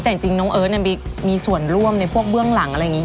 แต่จริงจริงน้องเอิ้นเนี่ยมีมีส่วนร่วมในพวกเบื้องหลังอะไรอย่างงี้